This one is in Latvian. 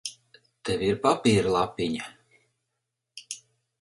Tev ir papīra lapiņa?